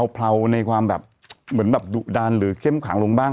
เลาในความแบบเหมือนแบบดุดันหรือเข้มขังลงบ้าง